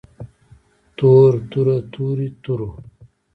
تور توره تورې تورو